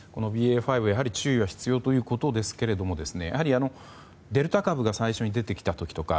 ＢＡ．５は、やはり注意が必要ということですがやはりデルタ株が最初に出てきた時とか